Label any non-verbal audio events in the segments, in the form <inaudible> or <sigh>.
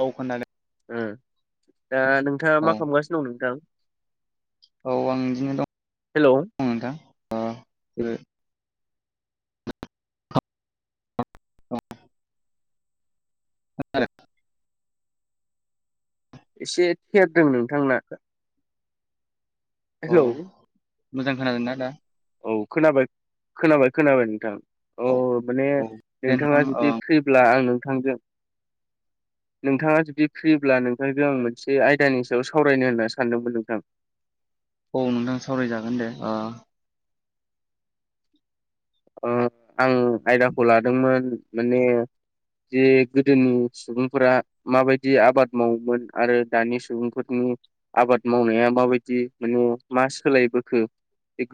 गाव खोनानै <unintelligible> उम दा नोंथाङा औ मा खालामगासिनो दं नोंथां औ आं बिदिनो हेलौ दं नोंथां <unintelligible> नोंथाङालाय <unintelligible> एसे थेरदों नोंथांना अ हेलौ मोजां खोनादों ना दा औ खोनाबाय खोनाबाय खोनाबाय नोंथां औ माने औ दे नोंथां नोंथाङा जुदि फ्रिब्ला आं नोंथांजों <inaudible> नोंथाङा जुदि फ्रिब्ला नोंथांजों आं मोनसे आयदानि सायाव सावरायनो होनना सानदोंमोन नोंथां औ नोंथां सावरायजागोन दे ओ ओ आं आयदाखौ लादोंमोन माने जे गोदोनि सुबुंफोरा माबायदि आबाद मावोमोन आरो दानि सुबुंफोरनि आबाद मावनाया माबायदि माने मा सोलायबोखो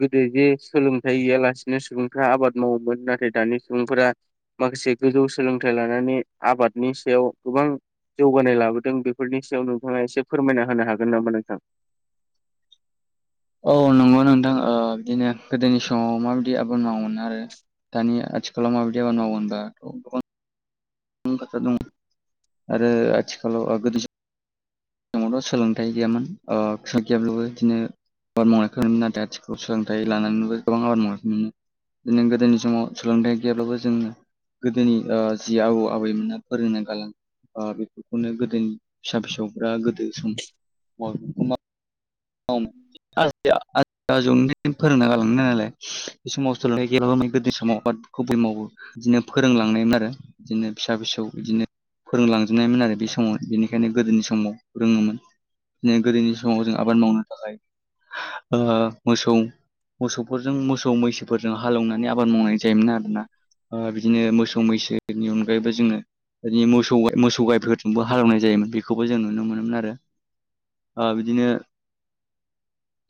गोदो जे सोलोंथाइ गैयालासिनो सुबुंफ्रा आबाद मावोमोन नाथाय दानि सुबुंफोरा माखासे गोजौ सोलोंथाइ लानानै आबादनि सायाव गोबां जौगानाय लाबोदों बेफोरनि सायाव नोंथाङा एसे फोरमायना होनो हागोन नामा नोंथां औ नंगौ नोंथां ओ बिदिनो गोदोनि समाव माबायदि आबाद मावोमोन आरो दानिया आथिखालाव माबायदि आबाद मावो होनबाथ' गोबां <unintelligible> दं आरो आथिखालाव गोदो ओमबा सोलोंथाइ गैयामोन ओ सोलोंथाइ गैयाब्लाबो बिदिनो आबाद मावनायखौ नुनो नाथाय आथिखालाव सोलोंथाइ लानानैबो गोबां आबाद मावनायखौ मोनो बिदिनो गोदोनि समाव सोलोंथाइ गैयाब्लाबो जों गोदोनि ओ जि आबौ आबैमोनना फोरोंना गालां ओ बेफोरखौनो गोदोनि फिसा फिसौफोरा गोदो सम मावदोंमोन मा <unintelligible> <unintelligible> आजौ फोरोंना गालांनाय नालाय बे समावथाय सोलोंथाइ गैयाब्लाबो गोदोनि समाव आबाद खौ बोरै मावो बिदिनो फोरोंलांनायमोन आरो बिदिनो फिसा फिसौ इदिनो फोरोंलांजोबनायमोन आरो बे समाव बेनिखायनो गोदोनि समाव रोङोमोन गोदोनि समाव जोंहा आबाद मावनो थाखाय ओ मोसौ मोसौफोरजों मोसौ मैसोफोरजों हाल एवनानै आबाद मावनानै जायोमोन आरोना ओ बिदिनो मोसौ मैसोनि अनगायैबो जोङो फोरनि मोसौ मोसौ गायफोरजोंबो हाल एवनाय जायोमोन बेखौबो जों नुनो मोनोमोन आरो ओ बिदिनो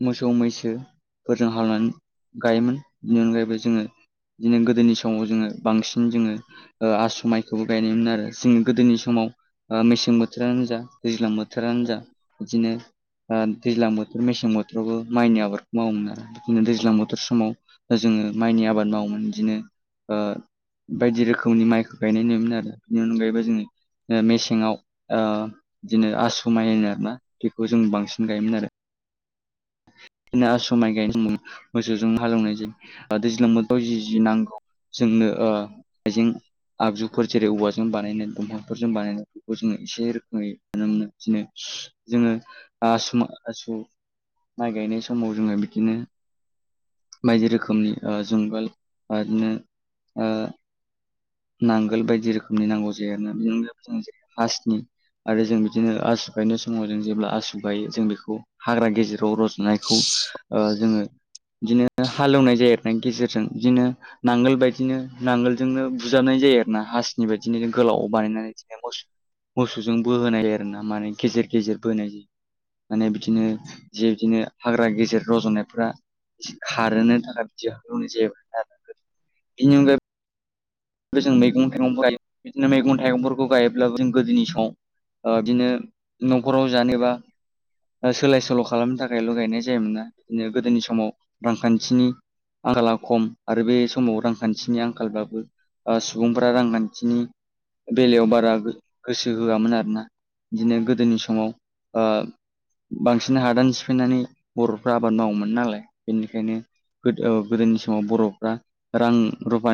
मोसौ मैसोफोरजों हाल एवनानै गायोमोन बेनि अनगायैबो जोङो बिदिनो गोदोनि समाव जोङो बांसिन जोङो ओ आसु माइखौबो गायनायमोन आरो जोङो गोदोनि समाव ओ मेसें बोथोरानो जा दैज्लां बोथोरानो जा बिदिनो ओ दैज्लां बोथोर मेसें बोथोरावबो माइनि आबादखौ मावोमोन आरो बिदिनो दैज्लां बोथोर समाव जोङो माइनि आबाद मावोमोन इदिनो ओ बायदि रोखोमनि माइखौ गायनाय नुयोन आरो बिनि अनगायैबो जोङो मेसेङाव ओ बिदिनो आसु माइ होनो नामा बेखौ जों बांसिन गायोमोन आरो आसु माइ गायनाय समाव मोसौजों हाल एवनाय जायो ओ दैज्ला बोथोराव जि नांगौ जोंनो ओ आइजें आगजुफोर जेरै औवाजों बानायनाय दंफांफोरजों बानायनाय जोङो एसे रोखोमै नुनो मोनो इदिनो जोङो आसु मा आसु माइ गायनाय समाव जोङो बिदिनो बायदि रोखोमनि ओ जुंगाल ओ बिदिनो ओ नांगोल बायदि रोखोमनि नांगौ जायो जे आरोना <unintelligible> हासनि आरो जों बिदिनो आसु गायनाय समाव जों जेब्ला आसु गायो जों बेखौ हाग्रा गेजेराव रज'नायखौ ओ जोङो बिदिनो हाल एवनाय जायो‌ आरोना गेजेरजों बिदिनो नांगोल बायदिनो नांगोलजोंनो बुजाबनाय जायो आरोना हासिनि बायदिनो गोलाव बानायनानै बिदिनो मोसौ मोसौजों बोहोनाय आरो ना माने गेजेर गेजेर बोनाय होनाय जायो माने बिदिनो जि बिदिनो हाग्रा गेजेर रज'नायफ्रा खारोनो थाखाय बिदि हाखौ एवनाय जायोमोन आरोना <unintelligible> बेनि अनगायैबो जों मैगं थाइगंफोर गायो बिदिनो मैगं थाइगंफोरखौ गायोब्लाबो जों गोदोनि समाव <unintelligible> ओ बिदिनो न'खराव जानो एबा ओ सोलाय सोल' खालामनो थाखायल' गायनाय जायोमोना बिदिनो गोदोनि समाव रांखान्थिनि आंखाला खम आरो बे समाव रांखान्थिनि आंखालबाबो ओ सुबुंफोरा रांखान्थिनि बेलायाव बारा गोसो होआमोन आरोना बिदिनो गोदोनि समाव ओ बांसिन हादान सिफैनानै बर'फ्रा आबाद मावोमोन नालाय बेनिखायनो गोदो ओ गोदोनि समाव बर'फ्रा रां रुफा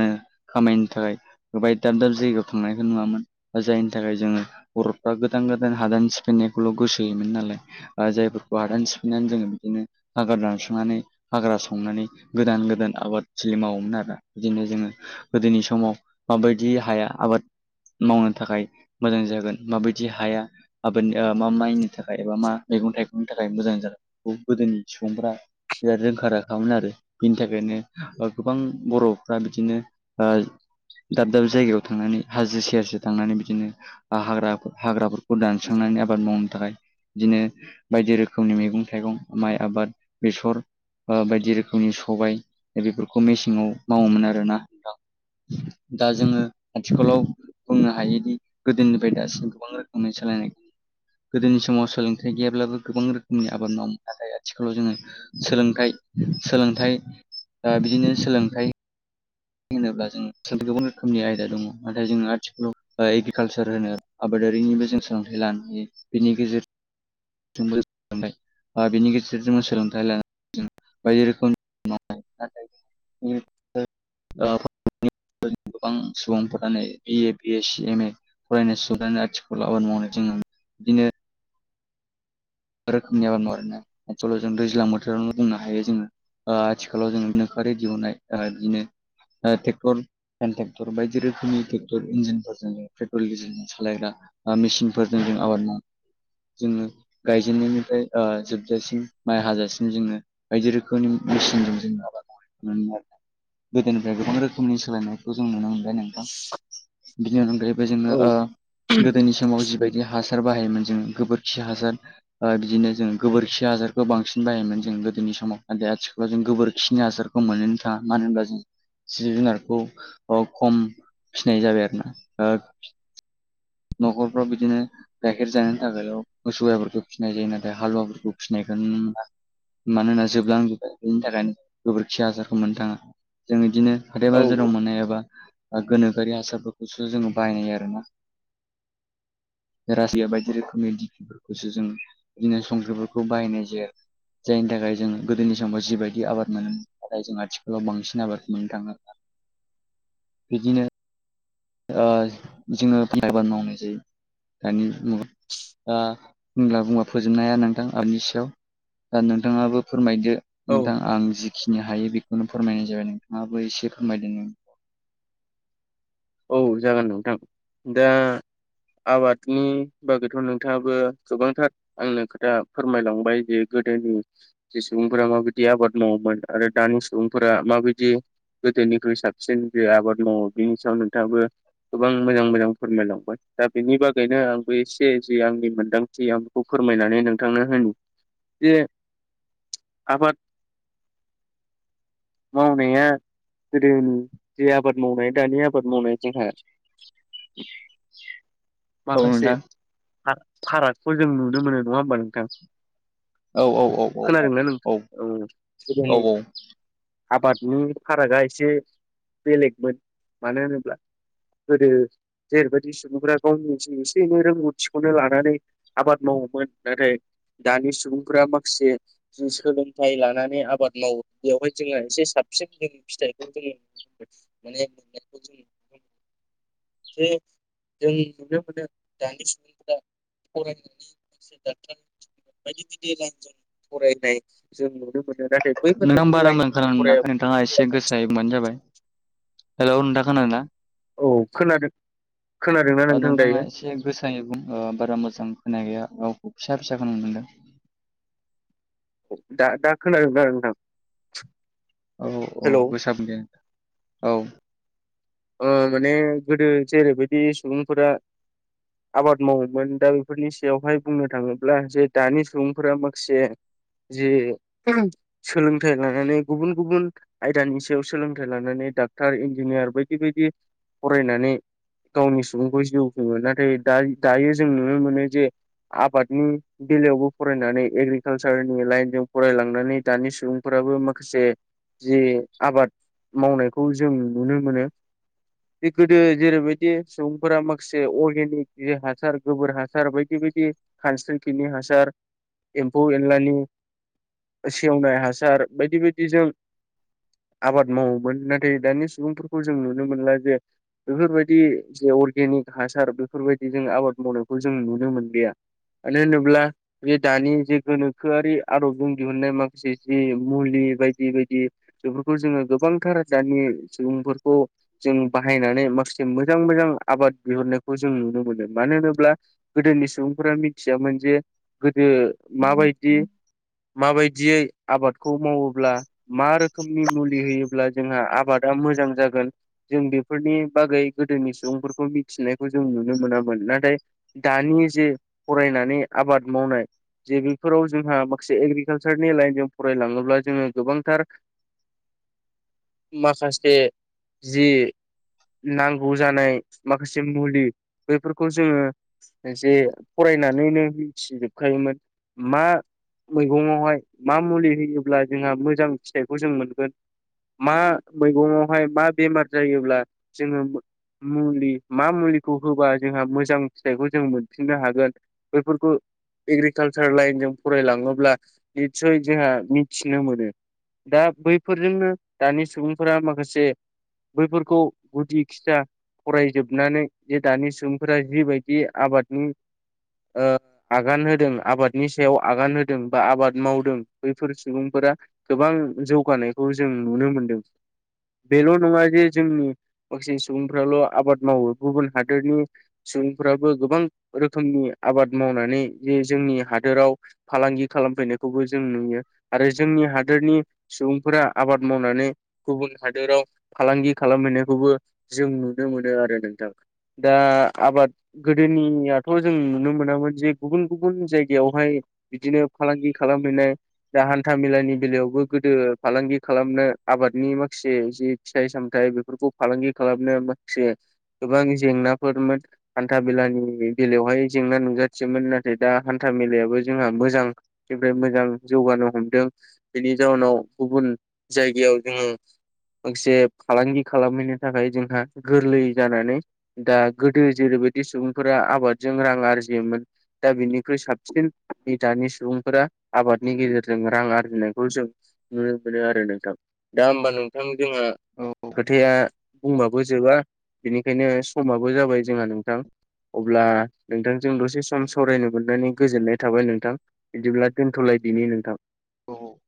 खामायनो थाखाय गोबाय दाब दाब जायगायाव थांनायखौ नुवामोन जायनि थाखाय जोङो बर'फ्रा गोदान गोदान हादान सिफायनायखौल' गोसोहोयोमोन नालाय ओ जायफोरखौ हादान सिफायनानै जोङो बिदिनो हाग्रा दानस्रांनानै हाग्रा संनानै गोदान गोदान आबादथिलि मावोमोन आरो बिदिनो जोङो गोदोनि सम समाव माबायदि हाया आबाद मावनो थाखाय मोजां जागोन माबायदि हाया आबादनि ओ मा माइनि थाखाय एबा मा मैगं थाइगंनि थाखाय मोजां जागोन बेखौ गोदोनि सुबुंफोरा बिराद रोंखा राखामोन आरो बिनि थाखायनो गोबां बर'फ्रा बिदिनो ओ दाब दाब जायगायाव थांनानै हाजो सेर सेर थांनानै बिदिनो हाग्राफोर हाग्राफोर खौ दानस्रांनानै आबाद मावनो थाखाय बिदिनो बायदि रोखोमनि मैगं थाइगं माइ आबाद बेसर ओ बायदि रोखोमनि सबाय बेफोरखौ मेसेङाव मावोमोन आरोना दा जोङो आथिखालाव बुंनो हायोदि गोदोनिफ्राय दासिम गोबां रोखोमनि सोलायनाय गोदोनि समाव सोलोंथाइ गैयाब्लाबो गोबां रोखोमनि आबाद मावोमोन नाथाय आथिखालाव जोङो सोलोंथाइ सोलोंथाइ ओ बिदिनो सोलोंथाइ होनोब्ला जों गोबां रोखोमनि आयदा दङ नाथाय जों आथिखालाव ओ एग्रिकालसार होनो आबादारिनिबो जों सोलोंथाइ लानो हायो बेनि गेजेर जोंबो सोलोंथाइ ओ बेनि गेजेरजों सोलोंथाइ लानानै बायदि रोखोम <unintelligible> <unintelligible> ओ भारतनि गोबां सुबुंफोरानो बि ए B S C M A <unintelligible> फरायनाय सुबुङानो आथिलाखाव आबाद मावनाय जोङो बिदिनो गोबां रोखोमनि आबाद मावो आरोना आथिखालाव जों दैज्लां बोथोरावनो बुंनो हायो जोङो ओ आथिखालाव जों गोनोखोआरि दिहुननाय ओ बिदिनो ओ ट्रेक्टर हेन्ड ट्रेक्टर बायदि रोखोमनि ट्रेक्टर इन्जिनफोरजों नो पेट्रल डिजेलजों सालाय्रा ओ मेसिनफोरजों जों आबाद मावो जोङो गायजेननायनिफ्राय ओ जोबजासिम माइ हाजासिम जोङो बायदि रोखोमनि मेसिनजों जोङो आबाद मावनायखौ नुनो मोनो आरोना गोदोनिफ्राय गोबां रोखोमनि सोलायनायखौ जों नुनो मोनबाय नोंथां बिनि अनगायैबो औ जोङो ओ गोदोनि समाव जिबायदि हासार बाहायोमोन जोङो गोबोरखि हासार ओ बिदिनो जों गोबोरखि हासारखौ बांसिन बाहायोमोन जों गोदोनि समाव नाथाय आथिखालाव जों गोबोरखिनि हासार मोननोनो थाङा मानो होनबा जों जिब जुनारखौ ओ खम फिनाय जाबाय आरोना ओ न'खरफ्राव बिदिनो गाइखेर जानायनि थाखायल' मोसौ गायफोरखौ फिनाय जायो नाथाय हालुवाफोरखौ फिनायखौ नुनो मोनला मानोना जोबलांजोबबाय बेनि थाखायनो गोबोरखि हासारखौ मोननो थाङा जों बिदिनो हाथाय औ बाजाराव मोननाय एबा गोनोखोआरि हासारफोरखौसो जोङो बाहायनाय आरोना रासिया बायदि रोखोमनि दिखिफोरखौसो जों बिदिनो संख्रिफोरखौ बाहायनाय जाया जायनि थाखाय जों गोदोनि समाव जिबायदि आबाद मोनो नाथाय जों आथिखालाव बांसिन आबादखौ मोननो थाङा बिदिनो ओ जोङो बिन <unintelligible> आबाद मावनाय जायो दानि मुगाव ओ होनब्ला बुंब्ला फोजोबनो हाया नोंथां आबादनि सायाव ओ नोंथाङाबो फोरमायदो औ नोंथां आं जिखिनि हायो बेखौनो फोरमायनाय जाबाय नोंथाङाबो इसे फोरमायदों नों औ जागोन नोंथां दा आबादनि बागैथ' नोंथाङाबो गोबांथार आंनो खोथा फोरमायलांबाय जे गोदोनि जि सुबुंफोरा माबादि आबाद मावोमोन आरो दानि सुबुंफोरा माबायदि गोदोनिख्रुइ साबसिन जि आबाद मावो बेनि सायाव नोंथाङाबो गोबां मोजां मोजां फोरमायलांबाय दा बेनि बागैनो आंबो एसे जि आंनि मोनदांथि आं फोरमायनानै नोंथांनो होनो जे आबाद मावनाया गोदोनि जे आबाद मावनाय दानि आबाद फोर मावनाय जोंहा औ माखासे नोंथां फारागखौ जों नुनो मोनो नङा होमबा नोंथां औ औ औ औ खोनादोंना नोंथां औ औ औ <unintelligible> औ आबादनि फारागा एसे बेलेगमोन मानो होनोब्ला गोदो जेरैबायदि सुबुंफ्रा गावनि एसे एनै रोंगौथिखौनो लानानै आबाद मावोमोन नाथाय दानि सुबुंफोरा माखासे जि सोलोंथाइ लानानै आबाद मावो बेवहाय जोंहा एसे साबसिन जों फिथाइखौ <unintelligible> माने जों नुनो मोनो <inaudible> जे जों नुनो मोनो दानि सुबुंफोरा फरायनानै <unintelligible> बायदि बायदि रांजों फरायनाय जों नुनो मोनोना नोंथां बारा मोजां खोनानो मोनाखै नोंथाङा एसे गोसायै बुंबानो जाबाय हेलौ नोंथां खोनादों ना औ खोनादों खोनादोंना नोंथां दायो नोंथाङा एसे गोसायै बुं बारा मोजां खोना हैया रावखौ फिसा फिसा खोनानो मोन्दों औ दा दा खोनादों दा नोंथां औ-औ हेलौ गोसा बुं दे औ ओ माने गोदो जेरैबायदि सुबुंफोरा आबाद मावोमोन दा बेफोरनि सायावहाय बुंनो थाङोब्ला जे दानि सुबुंफोरा माखासे जि <inaudible> सोलोंथाइ लानानै गुबुन गुबुन आयदानि सायाव सोलोंथाइ लानानै डाक्टार इन्जिनियार बाय बेबायदि फरायनानै गावनि सुबुंखौ जिउ खुङो नाथाय दा दायो जों नुनो मोनो जे आबादनि बेलायावबो फरायनानै एग्रिकालसारनि लाइनजों फरायलांनानै दानि सुबुंफोराबो माखासे जे आबाद मावनायखौ जों नुनो मोनो बे गोदो जेरैबायदि सुबुंफोरा माखासे अर्गेनिक ज हासार गोबोर हासार बायदि बायदि खानस्रि खिनि हासार एम्फौ एनलानि सेवनाय हासार बायदि बायदिजों आबाद मावोमोन नाथाय दानि सुबुंफोरखौ जों नुनो मोनला जे बेफोरबायदि जे अर्गेनिक हासार बेफोरबायदि जों आबाद मावनायखौ जों नुनो मोनलिया मानो होनोब्ला बे दानि जे गोनोखोआरि आदबजों दिहुनन्नाय माखासे जि मुलि बायदि बायदि बेफोरखौ जोङो गोबांथार दानि सुबुंफोर <inaudible> जों बाहायनानै माखासे मोजां मोजां आबाद दिहुननायखौ जों नुनो मोनो मानो होनोब्ला गोदोनि सुबुंफोरा मिथियामोन जे गोदो माबायदि माबायदियै आबादखौ मावोब्ला मा रोखोमनि मुलि होयोब्ला जोंहा आबादा मोजां जागो गोन जों बेफोरनि बागै गोदोनि सुबुंफोरखौ मिथिनायखौ जों नुनो मोनामोन नाथाय दानि जे फरायनानै आबाद मावनाय जे बेफोराव जोंहा माखासे एग्रिकालसारनि लाइनजों फरायलाङोब्ला जोङो गोबांथार <inaudible> माखासे जि नांगौ जानाय माखासे मुलि बेफोरखौ जोङो जे फरायनानै नों मिथिजोबखायोमोन मा मैगंआवहाय मा मुलि होयोब्ला जोंहा मोजां फिथाइखौ जों मोनगोन मा मैगंआवहाय मा बेमार जायोब्ला जोङो मुलि मा मुलिखौ होबा जोंहा मोजां फिथाइखौ जों मोनफिननो हागोन बेफोरखौ एग्रिकालसार लाइनजों फरायलाङोब्ला निसय जोंहा मिथिनो मोनो दा बैफोरजोंनो दानि सुबुंफोरा माखासे बैफोरखौ गुदि खिथा फरायजोबनानै जे दानि सुबुंफोरा जिबायदि आबादनि ओ आगान होदों आबादनि सायाव आगान होदों बा आबाद मावदों बैफोर सुबुंफोरा गोबां जौगानायखौ जों नुनो मोनदों बेल' नंङा जे जोंनि माखासे सुबुंफ्राल' आबाद मावो गुबुन हादोरनि सुबुंफ्राबो गोबां रोखोमनि आबाद मावनानै जे जोंनि हादोराव फालांगि खालामफैनायखौबो जों नुयो आरो जोंनि हादोरनि सुबुंफोरा आबाद मावनानै गुबुन हादोराव फालांगि खालामहैनायखौबो जों नुनो मोनो आरो नोंथां दा आबाद गोदोनियाथ' जों नुनो मोनामोन जे गुबुन गुबुन जायगायावहाय बिदिनो फालांगि खालामहैनाय दा हान्था मेलानि बेलायावबो गोदो फालांगि खालामनो आबादनि माखासे जि फिथाइ सामथाइ बेफोरखौ फालांगि खालामनाया माखासे गोबां जेंनाफोरमोन हान्था मेलानि बेलायावहाय जेंना नुजाथियोमोन नाथाय दा हान्था मेलायाबो जोंहा मोजां बेनिफ्राय मोजां जौगानो हमदों बेनि जाहोनाव गुबुन जायगायाव जोंङो माखसे फालांगि खालामहैनो थाखाय जोंहा गोरलै जानानै दा गोदो जेरैबायदि सुबुंफोरा आबादजों रां आरजियोमोन दा बेनिख्रुइ साबसिन दानि सुबुंफोरा आबादनि गेजेरजों रां आरजिनायखौ जों नुनो मोनो आरो नोंथां दा होमबा नों औ जोंहा औ खोथाया बुंबाबो जोबा बेनिखायनो समाबो जाबाय जोंहा नोंथां अब्ला नोंथांजों दसे सम सावरायनो मोननानै गोजोननाय थाबाय नोंथां बिदिब्ला दोनथ'लायदिनि नोंथां औ